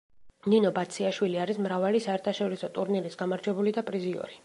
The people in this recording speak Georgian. ნინო ბაციაშვილი არის მრავალი საერთაშორისო ტურნირის გამარჯვებული და პრიზიორი.